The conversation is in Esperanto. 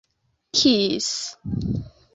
kisi